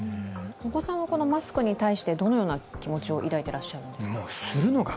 お子さんはマスクに対してどのような気持ちを抱いていらっしゃるんですか？